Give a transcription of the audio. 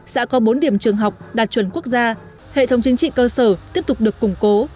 xã có bốn điểm trường học đạt chuẩn quốc gia hệ thống chính trị cơ sở tiếp tục được củng cố